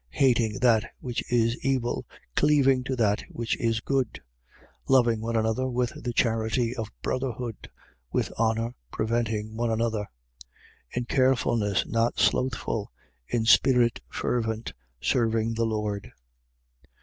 Hating that which is evil, cleaving to that which is good, 12:10. Loving one another with the charity of brotherhood: with honour preventing one another. 12:11. In carefulness not slothful. In spirit fervent. Serving the Lord.